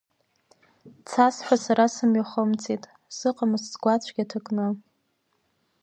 Цасҳәа сара сымҩахымҵит, сыҟаӡам сгәы ацәгьа ҭакны.